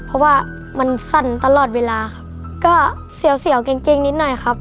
เพราะว่ามันสั่นตลอดเวลาครับก็เสียวเกงนิดหน่อยครับ